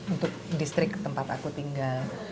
untuk distrik tempat aku tinggal